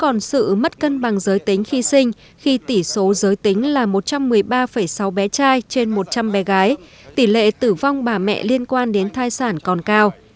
còn sự mất cân bằng giới tính khi sinh khi tỷ số giới tính là một trăm một mươi ba sáu bé trai trên một trăm linh bé gái tỷ lệ tử vong bà mẹ liên quan đến thai sản còn cao